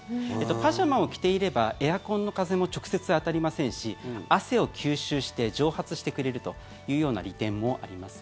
パジャマを着ていればエアコンの風も直接当たりませんし汗を吸収して蒸発してくれるというような利点もあります。